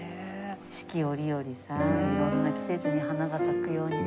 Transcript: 四季折々さ色んな季節に花が咲くように。